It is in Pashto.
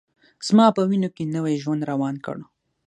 زما په وینوکې نوی ژوند روان کړ